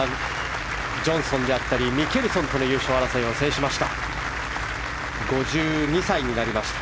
ジョンソンであったり右サイドとのミケルソンとの優勝争いを制しました。